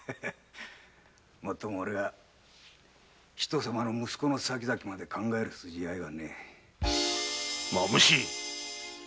もっともおれが人さまの息子に先々まで考えてやる筋合いはねぇ。